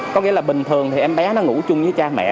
có nghĩa là bình thường thì em bé nó ngủ chung với cha mẹ